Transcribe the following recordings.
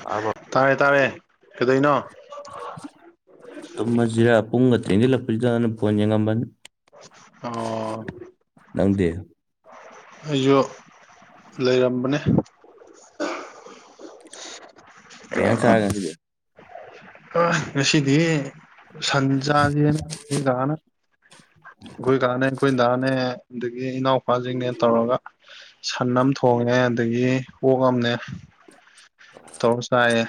ꯇꯕ꯭ꯔꯣ ꯇꯥꯔꯦ ꯇꯥꯔꯦ ꯀꯩꯗꯩꯅꯣ ꯇꯨꯝꯃꯁꯤꯔꯥ ꯄꯨꯡꯒ ꯊꯦꯡꯖꯤꯜꯂꯛꯄꯁꯤꯗꯅ ꯐꯣꯟ ꯌꯦꯡꯉꯝꯕꯅꯤ ꯑꯣ ꯅꯪꯗꯤ ꯑꯩꯁꯨ ꯂꯩꯔꯝꯕꯅꯦ ꯀꯩ ꯖꯥꯡ ꯆꯔꯒꯦ ꯗꯨꯗꯤ ꯑ ꯉꯁꯤꯗꯤ ꯁꯟ ꯖꯥꯥꯁꯦꯅ ꯑꯩꯈꯣꯏ ꯗꯥꯅꯦ ꯑꯩꯈꯣꯏ ꯀꯥꯅꯦ ꯑꯩꯈꯣꯏ ꯗꯥꯅꯦ ꯑꯗꯒꯤ ꯏꯅꯥꯎꯄꯥꯁꯤꯡꯅꯦ ꯇꯧꯔꯒ ꯁꯟ ꯑꯃ ꯊꯣꯡꯉꯦ ꯑꯗꯒꯤ ꯑꯣꯛꯑꯝꯅꯦ ꯇꯧꯔ ꯆꯥꯏꯑꯦ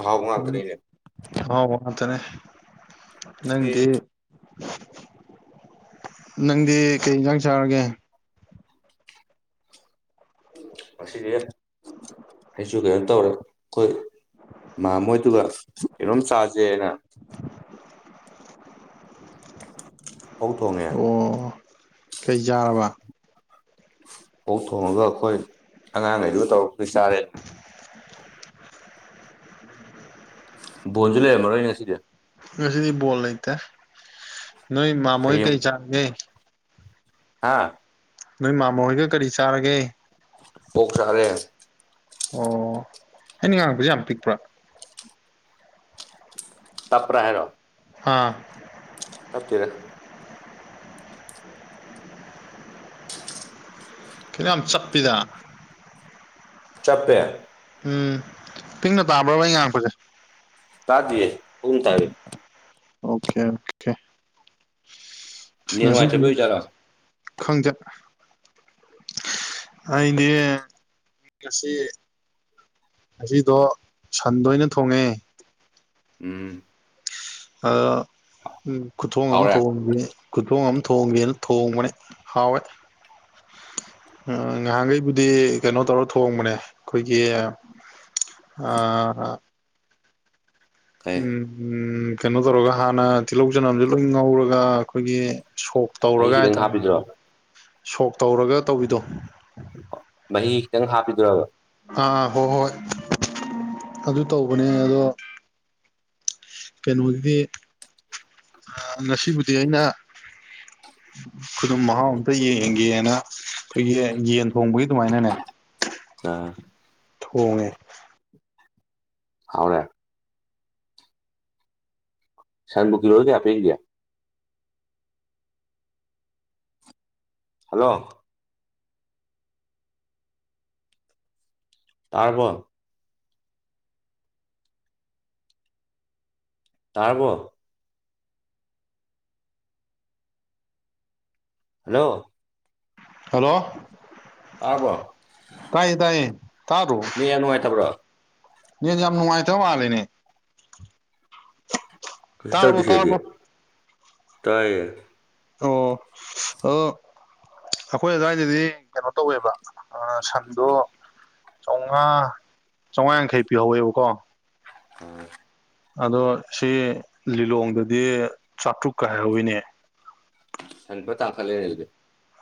ꯑꯍꯥꯎꯕ ꯉꯥꯛꯇꯅꯤꯅꯦ ꯍꯥꯎꯕ ꯉꯥꯇꯅꯦ ꯉꯁꯤꯗꯤ ꯅꯪꯗꯤ ꯅꯪꯗꯤ ꯀꯩ ꯌꯦꯟꯖꯥꯡ ꯆꯥꯔꯒꯦ ꯉꯁꯤꯗꯤ ꯑꯩꯁꯨ ꯀꯩꯅꯣ ꯇꯧꯔꯦ ꯑꯩꯈꯣꯏ ꯃꯥꯝꯃꯍꯣꯢꯗꯨꯒ ꯀꯩꯅꯣꯝ ꯆꯥꯥꯁꯦꯅ ꯑꯣꯛ ꯊꯣꯡꯉꯦ ꯑꯣ ꯀꯩ ꯆꯥꯔꯕ ꯐ ꯊꯣꯡꯉꯒ ꯑꯩꯈꯣꯏ ꯑꯉꯥꯡꯉꯩꯗꯨꯒ ꯇꯧꯔꯛꯈꯣꯢ ꯆꯥꯔꯦ ꯕꯣꯟꯁꯨ ꯂꯩꯔꯝꯃꯔꯣꯏ ꯉꯁꯤꯗꯤ ꯉꯁꯤꯗꯤ ꯕꯣꯜ ꯂꯩꯇꯦ ꯅꯣꯏ ꯃꯥꯃꯣꯍꯣꯏ ꯀꯩ ꯆꯥꯔꯒꯦ ꯍꯥꯥ ꯅꯣꯏ ꯃꯥꯃꯣ ꯍꯣꯏꯒ ꯀꯔꯤ ꯆꯥꯔꯒꯦ ꯄꯣꯛ ꯆꯥꯔꯦ ꯑꯣ ꯑꯩꯅ ꯉꯥꯡꯉꯛꯄꯁꯦ ꯌꯥꯝ ꯄꯤꯛꯄ꯭ꯔꯥ ꯇꯞꯄ꯭ꯔꯥ ꯍꯥꯏꯔꯣ ꯑꯥ ꯇꯞꯇꯦꯗ ꯀꯩꯅꯣ ꯌꯥꯝ ꯆꯠꯄꯤꯗ ꯆꯞꯄꯦ ꯎꯝ ꯄꯤꯡꯅ ꯇꯥꯕ꯭ꯔꯕ ꯑꯩ ꯉꯥꯡꯉꯛꯄꯁꯦ ꯇꯗꯦ ꯎꯟ ꯇꯔꯦ ꯑꯣꯀꯦ ꯑꯣꯀꯦ ꯅꯦꯠ ꯉꯁꯤꯗꯤ ꯅꯨꯡꯉꯥꯏꯇꯕꯩ ꯑꯣꯏꯖꯥꯠꯂꯣ ꯈꯪꯆꯠ ꯑꯩꯗꯤ ꯉꯁꯤ ꯑꯁꯤꯗꯣ ꯁꯟꯗ ꯑꯣꯏꯅ ꯊꯣꯡꯉꯦ ꯎꯝ ꯑ ꯎ ꯈꯨꯊꯣꯡ ꯑꯃ ꯍꯥꯎꯔꯦ ꯊꯣꯡꯈꯤ ꯀꯨꯊꯣꯡ ꯑꯃ ꯊꯣꯡꯒꯦꯅ ꯊꯣꯡꯕꯅꯦ ꯍꯥꯎꯋꯦ ꯉꯍꯥꯟꯈꯩꯕꯨꯗꯤ ꯀꯩꯅꯣ ꯇꯧꯔ ꯊꯣꯡꯕꯅꯦ ꯑꯩꯈꯣꯏꯒꯤ ꯑ ꯀꯩ ꯎꯝ ꯀꯩꯅꯣ ꯇꯧꯔꯒ ꯍꯥꯟꯅ ꯇꯤꯜꯍꯧ ꯆꯅꯝꯁꯦ ꯂꯣꯏ ꯉꯧꯔꯒ ꯑꯩꯈꯣꯏꯒꯤ ꯁꯣꯛ ꯃꯍꯤ ꯇꯧꯔꯒ ꯈꯤꯇꯪ ꯍꯥꯏꯇꯥꯔꯦꯅꯦꯀꯣ ꯍꯥꯞꯄꯤꯗꯨꯔꯣ ꯁꯣꯛ ꯇꯧꯔꯒ ꯇꯧꯕꯤꯗꯣ ꯃꯍꯤ ꯈꯤꯇꯪ ꯍꯥꯞꯄꯤꯗꯨꯔꯕ ꯑꯥ ꯍꯣꯏ ꯍꯣꯏ ꯑꯗꯨ ꯇꯧꯕꯅꯦ ꯑꯗꯣ ꯀꯩꯅꯣꯒꯤꯗꯤ ꯉꯁꯤꯕꯨꯗꯤ ꯑꯩꯅ ꯈꯨꯗꯨꯝ ꯃꯍꯥꯎ ꯑꯝꯇ ꯌꯦꯡꯒꯦꯅ ꯑꯩꯈꯣꯏꯒꯤ ꯌꯦꯟ ꯊꯣꯡꯕꯒꯤ ꯑꯗꯨꯃꯥꯏꯅꯅꯦ ꯑ ꯊꯣꯡꯉꯦ ꯍꯥꯎꯅꯦ ꯁꯥꯟꯕꯨ ꯀꯤꯂ‌ꯣꯗ ꯀꯌꯥ ꯄꯤꯔꯤꯒ‌ꯦ ꯍꯜꯂꯣ ꯇꯥꯔꯕ‌ꯣ ꯇꯥꯔꯕꯣ ꯍꯜꯂꯣ ꯍꯜꯂꯣ ꯇꯥꯔꯕꯣ ꯇꯥꯏꯌ‌ꯦ ꯇꯥꯏꯌ‌ꯦ ꯇꯥꯗ꯭ꯔ‌ꯣ ꯌꯥ ꯅꯨꯡꯉꯥꯏꯇꯕ꯭ꯔꯣ ꯅ ꯌꯥꯝ ꯅꯨꯡꯉꯥꯏꯇꯕ ꯃꯥꯂꯦꯅꯦ ꯀꯩꯁꯨ ꯇꯧꯗꯦ ꯇꯥꯔꯕꯣ ꯁꯤꯗꯗꯤ ꯇꯥꯔꯕꯣ ꯇꯥꯏꯌꯦ ꯑꯣ ꯑꯣ ꯑꯩꯈꯣꯏ ꯑꯗꯨꯋꯥꯏꯗꯗꯤ ꯀꯩꯅꯣ ꯇꯧꯋꯦꯕ ꯁꯟꯗꯣ ꯆꯧꯉꯥ ꯆꯧꯉꯥ ꯌꯥꯡꯈꯩ ꯄꯤꯍꯧꯋꯦꯕꯀꯣ [unintelligible] ꯑꯗꯣ ꯁꯤ ꯂꯤꯂꯣꯡꯗꯗꯤ ꯆꯥꯇ꯭ꯔꯨꯛꯀ ꯍꯥꯏꯍꯧꯋꯤꯅꯦ ꯁꯟ ꯐ ꯇꯥꯡꯈꯠꯂꯦ ꯑꯗꯨꯗꯤ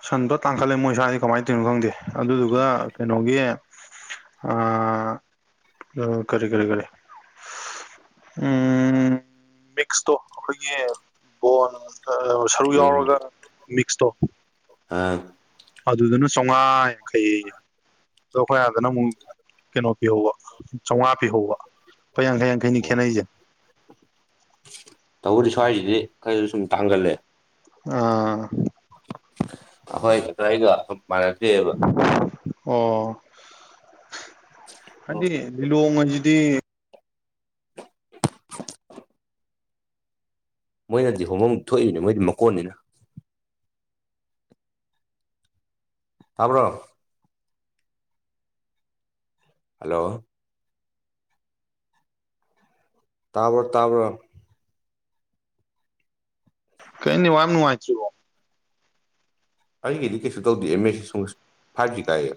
ꯁꯟꯗꯣ ꯇꯥꯡꯈꯠꯂꯦ ꯃꯣꯏ ꯁꯋꯥꯏꯁꯤ ꯀꯃꯥꯏꯅ ꯇꯧꯔꯤꯅꯣ ꯈꯪꯗꯦ ꯑꯗꯨꯗꯨꯒ ꯀꯩꯅꯣꯒꯤ ꯑ ꯎ ꯀꯔꯤ ꯀꯔꯤ ꯀꯔꯤ ꯎꯝ ꯃꯤꯛꯁꯇ‌ꯣ ꯑꯩꯈ‌ꯣꯏꯒꯤ ꯕ‌ꯣꯟ ꯁꯔꯨ ꯎꯝ ꯌꯥꯎꯔꯒ ꯃꯤꯛꯁꯇꯣ ꯑ ꯑꯗꯨꯗꯅ ꯆꯧꯉꯥ ꯌꯥꯡꯈꯩ ꯑꯗꯣ ꯑꯩꯈꯣꯏ ꯑꯗꯅ ꯑꯃꯨꯛ ꯀꯩꯅꯣ ꯄꯤꯍꯧꯕ ꯆꯧꯉꯥ ꯄꯤꯍꯧꯕ ꯂꯨꯄꯥ ꯌꯥꯡꯈꯩ ꯌꯥꯡ ꯈꯩꯅꯤ ꯑꯣ ꯈꯦꯠꯅꯩꯁ‌ꯦ ꯇꯧꯕꯨꯗꯤ ꯁ꯭ꯋꯥꯏꯁꯤꯗꯤ ꯈꯔꯁꯨ ꯁꯨꯝ ꯇꯥꯡꯒꯜꯂꯦ ꯑꯥ ꯑꯩꯈꯣꯏ ꯑꯗ꯭ꯋꯥꯏꯒ ꯃꯥꯟꯅꯗ‌ꯦꯕ ꯑꯣ ꯍꯥꯏꯗꯤ ꯂꯤꯂꯣꯡ ꯍꯥꯏꯖꯤꯗꯤ ꯃꯣꯏꯅꯗꯤ ꯍꯣꯡꯐꯝ ꯊꯣꯛꯏꯅꯦ ꯃꯣꯏꯗꯤ ꯃꯀꯣꯟꯅꯤꯅ ꯇꯥꯕ꯭ꯔ‌ꯣ ꯍꯜꯂꯣ ꯇꯥꯕꯔꯣ ꯇꯥꯕꯔꯣ ꯀꯩꯅꯣ ꯅꯦꯋꯥꯛ ꯅꯨꯡꯉꯥꯏꯇꯔꯤꯕ‌ꯣ ꯑꯩꯒꯤꯗꯤ ꯀꯩꯁꯨ ꯇꯧꯗꯦ ꯑꯦꯝ ꯑꯦꯁ ꯁꯨꯡ ꯐꯥꯏꯚ ꯖꯤ ꯀꯥꯏꯌ‌ꯦ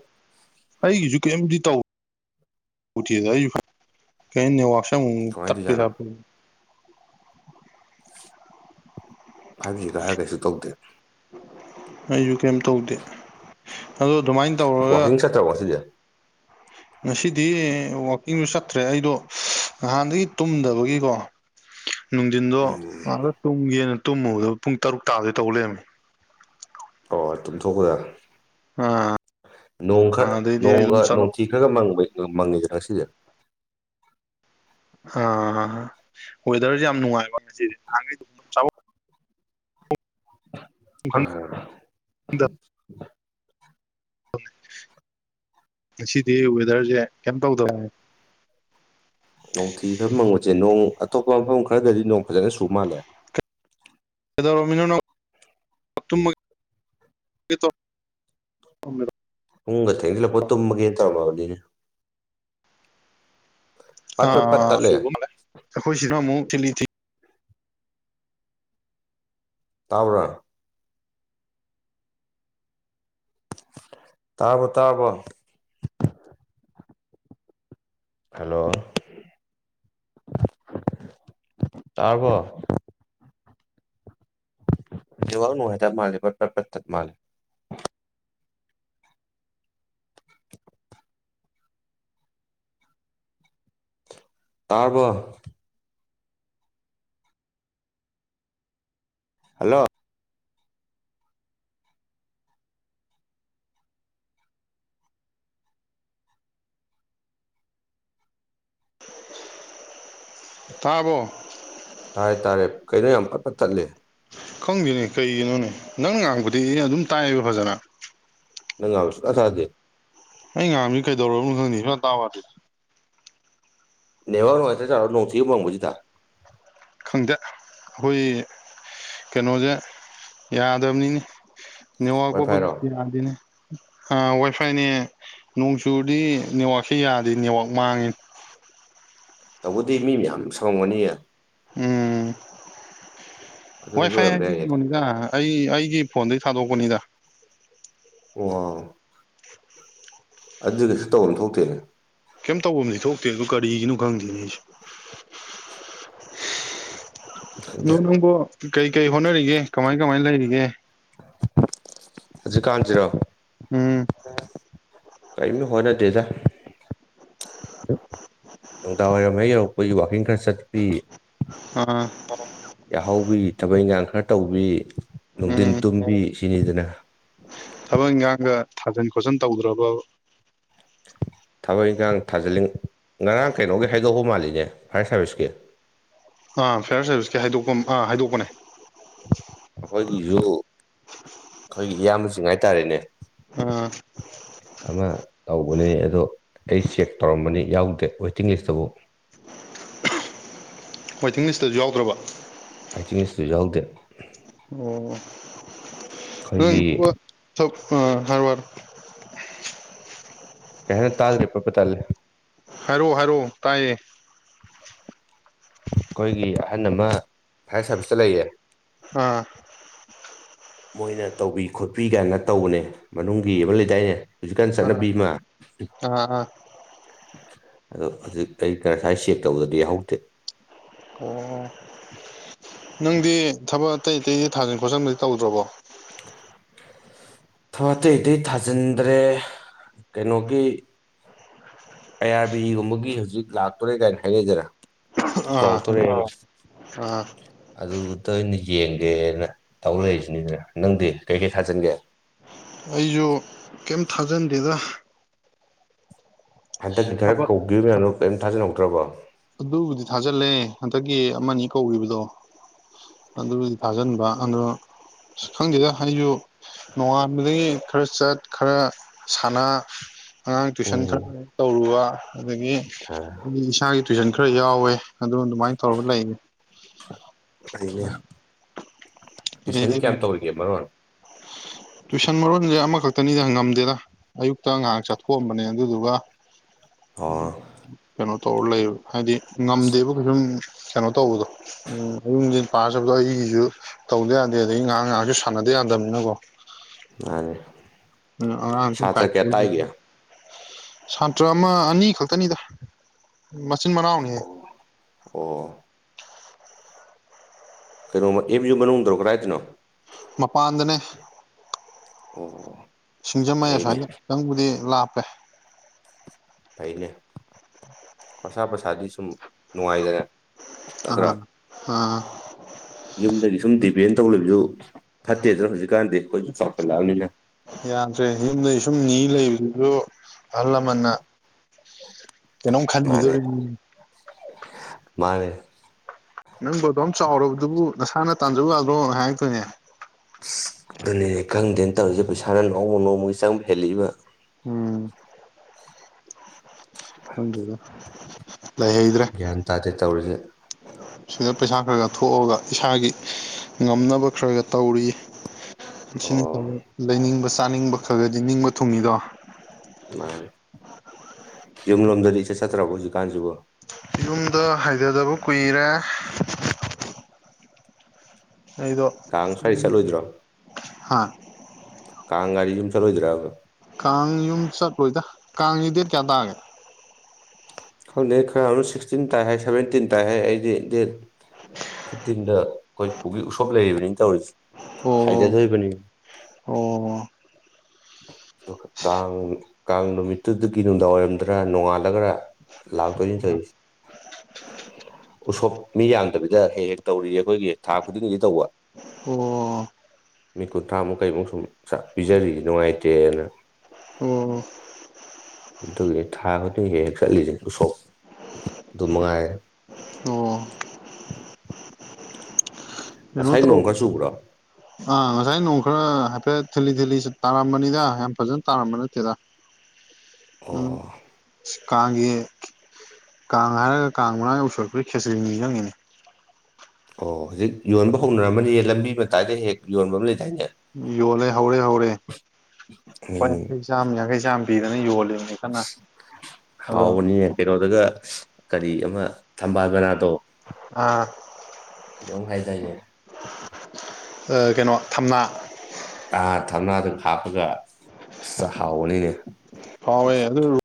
ꯑꯩꯒꯤꯁꯨ ꯀꯩꯝꯗꯤ ꯇꯧ [inaudible] ꯗꯦꯗ ꯑꯩ [unintelligible] ꯀꯩꯅꯣ ꯅꯦꯋꯥꯛꯁꯦ ꯑꯃꯨꯛ ꯑꯃꯨꯛ ꯀꯃꯥꯏꯅ ꯇꯥꯠꯄꯩ ꯇꯧꯔꯤꯖꯥꯠꯅꯣ ꯇꯥꯏꯞ ꯇꯧ ꯐꯥꯏꯚ ꯖꯤ ꯀꯥꯔꯒ ꯀꯩꯁꯨ ꯇꯧꯗꯦ ꯑꯩꯖꯨ ꯀꯩꯝ ꯇꯧꯗꯦ ꯑꯗꯣ ꯑꯗꯨꯃꯥꯏꯅ ꯇꯧꯔꯒ ꯆꯠꯇꯔꯕꯣ ꯉꯥꯁꯤꯗꯤ ꯉꯁꯤꯗꯤ ꯋꯥꯛꯀꯤꯡꯁꯨ ꯆꯠꯇ꯭ꯔꯦ ꯑꯩꯗꯣ ꯅꯍꯥꯟꯗꯒꯤ ꯇꯨꯝꯗꯕꯒꯤꯀꯣ [inaudible] ꯅꯨꯡꯊꯤꯟꯗꯣ ꯎꯝ ꯉꯥꯛꯇꯥ ꯇꯨꯝꯒꯦꯅ ꯇꯨꯝꯃꯨꯕꯗ‌ꯣ ꯄꯨꯡ ꯇꯔꯨꯛ ꯇꯥꯒ‌ꯦ ꯇꯧ ꯂꯩꯔꯝꯃꯦ ꯑꯣ ꯇꯨꯝꯊꯣꯛꯀꯗꯝ ꯑꯥ ꯅꯣꯡ ꯈꯔ ꯑꯗꯩꯗꯤ ꯑꯩ ꯅꯣꯡꯒꯥ ꯑꯗꯨꯝ ꯆꯠꯂ ꯅꯣꯡꯊꯤ ꯈꯔꯒꯥ ꯃꯪꯕ ꯃꯪꯉꯤꯗꯥꯅ ꯉꯥꯁꯤꯗꯤ ꯑꯥ ꯋꯦꯗꯔꯁꯦ ꯌꯥꯝ ꯅꯨꯡꯉꯥꯏꯕ ꯉꯁꯤꯗꯤ ꯅꯍꯥꯟ ꯈꯩ [unintelligible] [unintelligible] ꯉꯁꯤꯗꯤ ꯋꯦꯗꯔꯁꯦ ꯀꯩꯝ ꯇꯧꯗꯩ꯫ ꯅꯣꯡꯊꯤ ꯈꯔ ꯃꯪꯕꯁꯦ ꯅꯣꯡ ꯑꯇꯣꯞꯄ ꯃꯐꯝ ꯈꯔꯗꯗꯤ ꯅꯣꯡ ꯐꯖꯅ ꯆꯨꯕ ꯃꯥꯜꯂꯦ꯫ ꯀꯩꯗꯧꯔꯝꯃꯤꯅꯣ ꯅꯪ [unintelligible] ꯇꯧꯔꯝꯃꯤꯔꯣ ꯄꯨꯡꯒꯥ ꯊꯦꯡꯖꯟꯂꯛꯄꯒꯥ ꯇꯨꯝꯃꯒꯦꯅ ꯇꯧꯔꯝ ꯃꯥꯕꯥꯅꯤꯅꯦ꯫ ꯄꯠ ꯄꯠ ꯄꯠ ꯑꯥ ꯇꯠꯂꯦ ꯆꯨꯕ ꯃꯥꯜꯂꯦ ꯑꯩꯈꯣꯏ ꯁꯤꯗꯅꯥ ꯑꯃꯨꯛ ꯊꯤꯂꯤ ꯊꯤꯂꯤ꯫ ꯇꯥꯕꯥꯔꯣ ꯇꯥꯕꯔꯣ ꯇꯥꯕꯔꯣ ꯍꯜꯂꯣ ꯇꯥꯔꯕꯣ ꯅꯦꯋꯥꯛ ꯅꯨꯉꯥꯏꯇꯥꯕꯥ ꯃꯥꯂꯦ ꯄꯠ ꯄꯠ ꯄꯠ ꯇꯥꯠꯂꯦ꯫ ꯇꯥꯔꯕꯣ ꯍꯜꯂꯣ ꯇꯥꯔꯕꯣ ꯇꯥꯔꯦ ꯇꯥꯔꯦ ꯀꯩꯅꯣ ꯌꯥꯝ ꯄꯠ ꯄꯠ ꯇꯠꯂꯦ꯫ ꯈꯪꯗꯦꯅꯦ ꯀꯩꯒꯤꯅꯣꯅꯦ ꯅꯪꯅ ꯉꯥꯡꯕꯗꯤ ꯑꯩ ꯑꯗꯨꯝ ꯇꯥꯏꯕ ꯐꯖꯅꯥ꯫ ꯅꯪ ꯉꯥꯡꯕ ꯁꯨꯛꯇꯥ ꯇꯥꯗꯦ꯫ ꯑꯩ ꯉꯥꯡꯕꯥꯖꯦ ꯀꯩꯗꯧꯔꯕꯅꯣ ꯈꯪꯗꯦ ꯁꯨꯛꯇꯥ ꯇꯥꯎ ꯌꯥꯗꯦ꯫ ꯅꯦꯋꯥꯛ ꯅꯨꯉꯥꯏꯇ꯭ꯔ ꯖꯥꯠꯂꯣ ꯅꯣꯡꯊꯤꯒ ꯃꯪꯕꯁꯤꯗ ꯈꯪꯗꯦ ꯑꯩꯈꯣꯏ ꯀꯩꯅꯣꯁꯦ ꯌꯥꯗꯕꯅꯤꯅꯦ꯫ ꯅꯦꯋꯥꯛ ꯄꯠ ꯄꯠ ꯋꯥꯏꯐꯥꯏꯔꯣ ꯌꯥꯗꯦꯅꯦ꯫ ꯑꯥ ꯋꯥꯏ ꯐꯥꯏꯅꯦ ꯅꯣꯡ ꯆꯨꯨꯔꯗꯤ ꯅꯦꯠꯋꯥꯛꯁꯦ ꯌꯥꯗꯦ ꯅꯦꯋꯥꯛ ꯃꯥꯡꯉꯦ꯫ ꯇꯧꯕꯗꯤ ꯃꯤ ꯃꯌꯥꯝ ꯁꯥꯝꯃꯝꯒꯅꯤꯌꯦ꯫ ꯎꯝ ꯋꯥꯏ ꯑꯗꯨꯅꯁꯨ ꯐꯥꯏ ꯑꯣꯏꯔꯝꯕ ꯍꯥꯏꯗꯤ ꯌꯥꯏꯌꯦ ꯀꯩꯅꯣꯅꯤꯗ ꯑꯩ ꯑꯩꯒꯤ ꯐꯣꯟꯗꯒꯤ ꯊꯥꯗꯣꯛꯄꯅꯤꯗ꯫ ꯑꯣ ꯑꯗꯨꯗꯤ ꯀꯩꯁꯨ ꯇꯧꯕꯝ ꯊꯣꯛꯇꯦ꯫ ꯀꯩꯝ ꯇꯧꯕꯝꯗꯤ ꯊꯣꯛꯇꯦ ꯑꯗꯨ ꯀꯔꯤꯒꯤꯅꯣ ꯈꯪꯗꯦꯅꯣ ꯑꯩꯁꯨ ꯈꯪꯗꯦ ꯑꯗꯣ ꯅꯪꯕꯨ ꯀꯩ ꯀꯩ ꯍꯣꯠꯅꯔꯤꯒꯦ ꯀꯃꯥꯏ ꯀꯃꯥꯏꯅ ꯂꯩꯔꯤꯒꯦ꯫ ꯍꯧꯖꯤꯛꯀꯥꯟꯁꯤꯔꯣ꯫ ꯎꯝ [inaudible] ꯀꯔꯤꯝꯇꯥ ꯍꯣꯠꯅꯗꯦꯗꯥ ꯅꯨꯡꯗꯥꯡ ꯋꯥꯏꯔꯝ ꯍꯦꯛ ꯌꯧꯔꯛꯄꯩ ꯋꯥꯛꯀꯤꯡ ꯈꯔ ꯆꯠꯄꯤ꯫ ꯑꯥ ꯌꯥꯍꯧꯕꯤ ꯊꯕꯛ ꯏꯪꯈꯥꯡ ꯈꯔ ꯇꯧꯕꯤ ꯅꯨꯡꯊꯤꯟ ꯎꯝ ꯇꯨꯝꯕꯤ ꯁꯤꯅꯤꯗꯅ ꯊꯕꯛ ꯏꯪꯈꯥꯡꯒ ꯊꯥꯖꯟ ꯈꯣꯠꯆꯟ ꯇꯧꯗ꯭ꯔꯕꯥꯕꯥ ꯊꯥꯕꯛ ꯏꯪꯈꯥꯡ ꯊꯥꯖꯜꯂꯤ ꯉꯔꯥꯡ ꯀꯩꯅꯣꯒꯤ ꯍꯥꯏꯗꯣꯛꯄꯥ ꯃꯥꯜꯂꯤꯅꯦ ꯐꯥꯏꯌꯥꯔ ꯁꯥꯔꯚꯤꯁꯀꯤ꯫ ꯑꯥ ꯐꯤꯌꯔ ꯁꯥꯔꯚꯤꯁꯁꯀꯤ ꯍꯥꯏꯗꯣꯛꯄ ꯑꯥ ꯍꯥꯏꯗꯣꯛꯄꯅꯦ꯫ ꯑꯩꯈꯣꯏꯒꯤꯁꯨ ꯑꯩꯈꯣꯏꯒꯤ ꯏꯌꯥꯝꯕꯁꯤꯡ ꯍꯥꯏꯇꯥꯔꯦꯅꯦ꯫ ꯑꯥ ꯑꯃ ꯇꯧꯕꯅꯤ ꯑꯗꯣ ꯑꯩ ꯆꯦꯛ ꯇꯧꯔꯝꯕꯅꯤ ꯌꯥꯎꯗꯦ ꯋꯦꯇꯤꯡ ꯂꯤꯁꯇꯕꯨ꯫ ꯋꯦꯇꯤꯡ ꯂꯤꯁꯇꯁꯨ ꯌꯥꯎꯗ꯭ꯔꯕ꯫ ꯑꯥꯏꯊꯤꯡ ꯏꯁꯇꯨ ꯌꯥꯎꯗꯦ꯫ ꯑꯣ ꯑꯩꯈꯣꯏꯒꯤ ꯎ ꯊ ꯁ ꯑ ꯍꯔꯋꯥꯔ ꯀꯩ ꯍꯥꯏꯅ ꯇꯥꯗ꯭ꯔꯦ ꯄꯣꯠꯄ ꯇꯜꯂꯦ꯫ ꯍꯥꯏꯔꯛꯑꯣ ꯍꯥꯏꯔꯛꯑꯣ ꯇꯥꯏꯌꯦ꯫ ꯑꯩꯈꯣꯏꯒꯤ ꯑꯍꯟ ꯑꯃ ꯐꯥꯏꯔ ꯁꯥꯔꯚꯤꯁꯇ ꯂꯩꯌꯦ꯫ ꯑ ꯃꯣꯏꯅ ꯇꯧꯕꯤ ꯈꯣꯠꯄꯤ ꯀꯥꯏꯅ ꯇꯧꯕꯅꯦ ꯃꯅꯨꯡꯒꯤ ꯑꯃ ꯂꯩꯗꯥꯏꯅꯦ꯫ ꯍꯧꯖꯤꯛꯀꯥꯟ ꯑꯥ ꯆꯠꯅꯕꯤ ꯑꯃ ꯑꯥ ꯑꯥ ꯑꯗꯣ ꯍꯧꯖꯤꯛ ꯑꯩ ꯀꯔ ꯁ꯭ꯋꯥꯏ ꯆꯦꯛ ꯇꯧꯕꯗꯗꯤ ꯌꯥꯍꯧꯗꯦ ꯑꯣ ꯅꯪꯗꯤ ꯊꯕꯛ ꯑꯇꯩ ꯑꯇꯩꯗꯤ ꯊꯥꯖꯤꯟ ꯈꯣꯠꯆꯤꯟꯕꯗꯤ ꯇꯧꯗ꯭ꯔꯣꯕꯣ ꯊ ꯑꯇꯩ ꯑꯇꯩ ꯊꯥꯖꯤꯟꯗ꯭ꯔꯦ ꯀꯩꯅꯣꯒꯤ ꯑꯥꯏ ꯑꯥꯔ ꯕꯤ ꯏꯒꯨꯝꯕꯒꯤ ꯍꯧꯖꯤꯛ ꯂꯥꯛꯇꯣꯔꯦ ꯀꯥꯏꯅ ꯍꯥꯏꯅꯩꯗꯅ ꯀꯜ ꯑꯥ ꯇꯔ ꯑꯥ [inaudible] ꯑꯗꯨꯇ ꯑꯩꯅ ꯌꯦꯡꯒꯦꯅ ꯇꯧꯔꯛꯏꯁꯤꯅꯦꯅꯦ ꯅꯪꯗꯤ ꯀꯩꯀꯩ ꯊꯥꯖꯤꯟꯒꯦ ꯑꯩꯁꯨ ꯀꯩꯝ ꯊꯥꯖꯟꯗꯦꯗ ꯍꯟꯗꯛꯀꯤ ꯈꯔ ꯊꯕꯛ ꯀꯧꯗꯔꯤꯕꯥꯅꯣ ꯀꯔꯤꯝ ꯊꯥꯖꯟꯍꯧꯗ꯭ꯔꯕꯣ ꯑꯗꯨꯕꯨꯗꯤ ꯊꯥꯖꯜꯂꯦ ꯍꯟꯗꯛꯀꯤ ꯑꯃꯅꯤ ꯀꯧꯈꯤꯕꯗꯣ ꯑꯗꯨꯕꯨꯗꯤ ꯊꯥꯖꯤꯟꯕ ꯑꯗꯣ ꯈꯪꯗꯦꯗ ꯑꯩꯁꯨ ꯅꯣꯡꯉꯥꯟꯕꯗꯒꯤ ꯈꯔ ꯆꯠ ꯈꯔ ꯁꯥꯟꯅ ꯑꯉꯥꯡ ꯇꯨꯏꯁꯟ ꯎꯝ ꯈꯔ ꯇꯧꯔꯨꯕ ꯑꯗꯒꯤ ꯇꯨꯋꯏꯁꯟ ꯈꯔ ꯌꯥꯎꯋꯦ ꯑꯗꯨꯝ ꯑꯗꯨꯃꯥꯏꯅ ꯇꯧꯔꯒ ꯂꯩꯌꯦ ꯑꯗꯒꯤꯅꯦ ꯇꯨꯏꯁꯟ ꯑꯩ ꯀꯌꯥꯝ ꯇꯧꯔꯤꯒꯦ ꯃꯔꯣꯟ ꯇꯨꯏꯁꯟ ꯃꯔꯣꯟꯁꯦ ꯑꯃꯈꯛꯇꯅꯤꯗ ꯉꯝꯗꯦꯗ ꯑꯌꯨꯛꯇ ꯉꯥꯏꯍꯥꯛ ꯆꯠꯊꯣꯛꯑꯝꯕꯅꯦ ꯑꯗꯨꯗꯨꯒ ꯑꯣ ꯀꯩꯅꯣ ꯇꯧꯔ ꯂꯩꯕ ꯍꯥꯏꯗꯤ ꯉꯝꯗꯦꯕ ꯀꯩꯁꯨꯝ ꯀꯩꯅꯣ ꯇꯧꯕꯗꯣ ꯎꯝ ꯌꯨꯝ ꯌꯦ ꯄꯥꯖꯕꯗꯣ ꯑꯩꯒꯤꯁꯨ ꯇꯧꯗ ꯌꯥꯗꯦ ꯑꯗꯒꯤ ꯉꯥꯏꯍꯥꯛ ꯉꯥꯏꯍꯥꯛꯁꯨ ꯁꯥꯟꯅꯗ ꯌꯥꯗꯕꯅꯤꯅꯀꯣ ꯃꯥꯅꯦ ꯎꯝ ꯑꯥꯡ ꯁꯨꯝ ꯁꯥꯇ꯭ꯔ ꯀꯥꯏ ꯀꯌꯥ ꯇꯥꯛꯏꯒꯦ ꯁꯥꯟꯇ꯭ꯔ ꯑꯃ ꯑꯅꯤ ꯈꯛꯇꯅꯤꯗ ꯃꯆꯤꯟ ꯃꯅꯥꯎꯅꯤ ꯑꯣ ꯀꯩꯅꯣꯝꯃ ꯑꯦꯞꯁꯨꯨ ꯃꯅꯨꯡꯗꯧꯛ ꯀꯗꯥꯏꯗꯅꯣ ꯃꯄꯥꯟꯗꯅꯦ ꯑꯣ ꯁꯤꯡꯖꯃꯩ ꯐꯩꯅꯦ ꯑꯁ꯭ꯋꯥꯏꯗ ꯈꯤꯇꯪꯕꯨꯗꯤ ꯂꯥꯞꯄꯦ ꯐꯩꯅꯦ ꯈꯣꯔꯁꯥ ꯄꯩꯁꯥꯗꯤ ꯁꯨꯝ ꯅꯨꯡꯉꯥꯏꯗꯅ ꯅꯠꯇ꯭ꯔꯥ ꯑꯥ ꯑ ꯌꯨꯝꯗꯒꯤ ꯁꯨꯝ ꯗꯤꯄꯦꯟ ꯇꯧ ꯂꯩꯕꯁꯨ ꯐꯠꯇꯦꯗꯅ ꯍꯧꯖꯤꯛꯀꯥꯟꯗꯤ ꯑꯩꯈꯣꯏꯁꯨ ꯆꯥꯎꯈꯠꯂꯛꯑꯕꯅꯤꯅ ꯌꯥꯗ꯭ꯔꯦ ꯌꯨꯝꯗꯩ ꯁꯨꯝ ꯅꯤ ꯂꯩꯕꯗꯨꯁꯨ ꯑꯍꯜ ꯂꯃꯟꯅ ꯍ [unintelligible] ꯀꯩꯅꯣꯝ ꯈꯟꯈꯤꯗꯣꯔꯤꯕꯅꯤ ꯃꯥꯅꯦ ꯅꯪꯕꯨꯣꯗꯣꯝ ꯆꯥꯎꯔꯕꯗꯨꯕꯨ ꯅꯁꯥꯅ ꯇꯥꯟꯖꯕ ꯌꯥꯗ꯭ꯔꯣ ꯍꯥꯏꯔꯛꯇꯣꯏꯅꯦ ꯑ ꯑꯗꯨꯅꯦ ꯈꯪꯗꯦꯅ ꯇꯧꯔꯤꯁꯦ ꯄꯩꯁꯥꯅ ꯅꯣꯡꯃ ꯅꯣꯡꯃꯒꯤ ꯆꯪꯕ ꯍꯦꯂꯛꯏꯕ ꯎꯝ ꯈꯪꯗꯦꯗ ꯂꯩꯍꯩꯗ꯭ꯔꯦ ꯒ꯭ꯌꯥꯟ ꯇꯥꯗꯦ ꯇꯧꯔꯤꯁꯦ ꯁꯤꯗ ꯄꯩꯁꯥ ꯈꯔꯒ ꯊꯣꯛꯑꯒ ꯏꯁꯥꯒꯤ ꯉꯝꯅꯕ ꯈꯔꯒ ꯇꯧꯔꯤ ꯁꯤꯅꯤ ꯈ ꯑꯣ ꯂꯩꯅꯤꯡꯕ ꯆꯥꯅꯤꯡꯕ ꯈꯔꯒꯗꯤ ꯅꯤꯡꯕ ꯊꯨꯡꯉꯗꯣ ꯃꯥꯅꯦ ꯌꯨꯝ ꯂꯣꯝꯗꯗꯤ ꯏꯆꯠ ꯆꯠꯇ꯭ꯔꯕ ꯍꯧꯖꯤꯛꯀꯥꯟꯁꯤꯕꯨ ꯌꯨꯝꯗ ꯍꯩꯊꯗꯕ ꯀꯨꯏꯔꯦ ꯑꯩꯗꯣ ꯀꯥꯡ ꯁ꯭ꯋꯥꯏꯗ ꯆꯠꯂꯣꯏꯗ꯭ꯔꯣ ꯍꯥ ꯀꯥꯡꯒꯥꯖꯤ ꯌꯨꯝ ꯆꯠꯂꯣꯏꯗ꯭ꯔꯥꯕ ꯀꯥꯡ ꯌꯨꯝ ꯆꯠꯂꯣꯏꯗ ꯀꯥꯡꯁꯤ ꯗꯦꯠ ꯀꯌꯥ ꯇꯥꯒꯦ ꯈꯪꯅ ꯈꯔ ꯑꯃꯨꯛ ꯁꯤꯛꯁꯇꯤꯟ ꯇꯥꯏ ꯍꯥꯏ ꯁꯚꯦꯟꯇꯤꯟ ꯇꯥꯏ ꯍꯥꯏ ꯑꯩꯗꯤ ꯗꯦꯠ ꯐꯤꯐꯇꯤꯟꯗ ꯑꯩꯈꯣꯏ ꯄꯨꯒꯤ ꯎꯁꯣꯞ ꯂꯩꯔꯤꯕꯅꯤꯅ ꯇꯧꯔꯤꯁꯤ ꯑꯣ ꯍꯥꯏꯗꯗꯣꯔꯤꯕꯅꯤ ꯑꯣ ꯀꯥꯡ ꯀꯥꯡ ꯅꯨꯃꯤꯠꯇꯨꯒꯤ ꯅꯨꯡꯗꯥꯡ ꯋꯥꯏꯔꯝꯗ꯭ꯔꯥ ꯅꯣꯡꯉꯥꯜꯂꯒ꯭ꯔ ꯂꯥꯛꯇꯣꯏꯅꯤ ꯇꯧꯔꯤꯁꯦ ꯎꯁꯣꯞ ꯃꯤ ꯌꯥꯡꯗꯕꯤꯗ ꯍꯦꯛ ꯍꯦꯛ ꯇꯧꯔꯤꯌꯦ ꯑꯩꯈꯣꯏꯒꯤ ꯊꯥ ꯈꯨꯗꯤꯡꯒꯤ ꯇꯧꯕ ꯑꯣ ꯃꯤ ꯀꯨꯟꯊ꯭ꯔꯥꯃꯨꯛ ꯀꯩꯃꯨꯛ ꯁꯨꯝ ꯄꯤꯖꯔꯤꯌꯦ ꯅꯨꯡꯉꯥꯏꯇꯅ ꯎꯝ ꯑꯗꯨꯒꯤ ꯊꯥ ꯈꯨꯗꯤꯡ ꯍꯦꯛ ꯍꯦꯛ ꯆꯠꯂꯤꯁꯦ ꯎꯁꯣꯛ ꯑꯗꯨ ꯃꯉꯥꯏꯔꯦ ꯑꯣ ꯐꯅꯣ ꯉꯁꯥꯏ ꯇ ꯅꯣꯡ ꯈꯔ ꯆꯨꯕ꯭ꯔꯣ ꯑꯥ ꯉꯁꯥꯏ ꯅꯣꯡ ꯈꯔ ꯍꯥꯏꯐꯦꯠ ꯊꯤꯂꯤ ꯊꯤꯂꯤ ꯇꯥꯔꯝꯕꯅꯤꯗ ꯌꯥꯝ ꯐꯖꯅ ꯇꯥꯔꯝꯕ ꯅꯠꯇꯦꯗ ꯑꯣ ꯎꯝ ꯀꯥꯡꯁꯤ ꯀꯥꯡ ꯍꯥꯏꯔꯒ ꯀꯥꯡ ꯃꯥꯡ ꯎꯁꯣꯔꯛꯄꯒꯤ ꯈꯦꯇ꯭ꯔꯤꯅꯤ ꯆꯪꯉꯅꯤ ꯑꯣ ꯍꯧꯖꯤꯛ ꯌꯣꯟꯕ ꯍꯧꯅꯔꯝꯕꯅꯤꯌꯦ ꯂꯝꯕꯤ ꯃꯇꯥꯏꯗ ꯍꯦꯛ ꯌꯣꯟꯕ ꯑꯃ ꯂꯩꯗꯥꯏꯅꯦ ꯌꯣꯜꯂꯦ ꯍꯧꯔꯦ ꯍꯧꯔꯦ ꯂꯨꯄꯥ ꯎꯝ ꯌꯥꯡꯈꯩ ꯆꯥꯃ ꯌꯥꯡꯈꯩ ꯆꯥꯝꯃ ꯄꯤꯗꯅ ꯌꯣꯜꯂꯦꯕ ꯈꯕꯅꯤ ꯀꯩꯅꯣꯗꯒ ꯀꯔꯤ ꯑꯃ ꯊꯝꯕꯥꯜꯒꯅꯥꯗꯣ ꯑꯥ ꯀꯩꯗꯧꯝ ꯍꯥꯏꯇꯥꯒꯦꯗ ꯀꯩꯅꯣ ꯊꯝꯅꯥ ꯑ ꯊꯝꯅꯥꯗ ꯍꯥꯞꯄꯒ ꯍꯥꯎꯕꯅꯤꯅꯦ ꯍꯥꯎꯋꯦ ꯑꯗꯨ